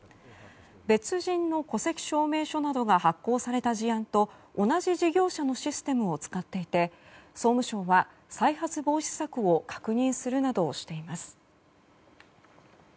別人の戸籍証明書などが発行された事案と同じ事業者のシステムを使っていて総務省は再発防止策を確認するなどしています。